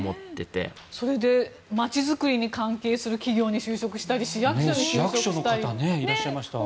それで街づくりに関係する企業に就職したり市役所に就職する方がいらっしゃったり。